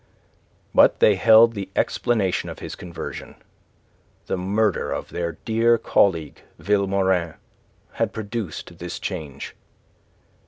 But they held the explanation of his conversion. The murder of their dear colleague Vilmorin had produced this change.